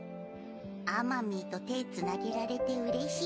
あまみーと手つなげられてうれしい？